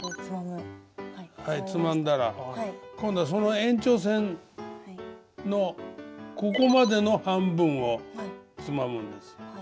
はいつまんだら今度はその延長線のここまでの半分をつまむんです。